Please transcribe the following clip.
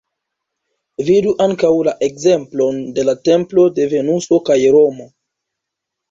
Vidu ankaŭ la ekzemplon de la Templo de Venuso kaj Romo.